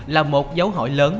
là một dấu hỏi lớn